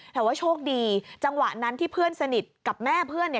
แต่ว่าโชคดีจังหวะนั้นที่เพื่อนสนิทกับแม่เพื่อนเนี่ย